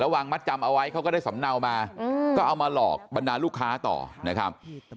วางมัดจำเอาไว้เขาก็ได้สำเนามาก็เอามาหลอกบรรดาลูกค้าต่อนะครับ